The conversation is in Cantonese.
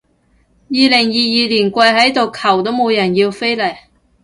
二零二二年跪喺度求都冇人要飛嚟